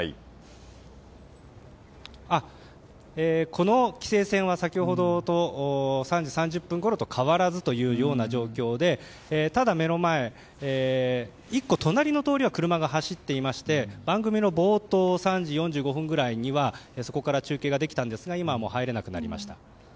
この規制線は先ほど３時３０分ごろと変わらずというような状況でただ目の前１個隣の通りは車が走っていまして番組の冒頭３時４５分ぐらいにはそこから中継ができたんですが今はもう入れなくなりました。